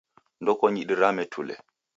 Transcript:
Ndokonyi dirame tule.